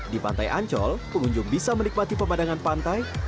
di pantai ancol pengunjung bisa menikmati pemandangan pantai